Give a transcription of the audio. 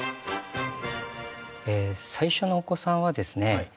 最初のお子さんはですね